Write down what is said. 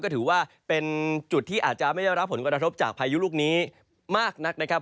ก็ถือว่าเป็นจุดที่อาจจะไม่ได้รับผลกระทบจากพายุลูกนี้มากนักนะครับ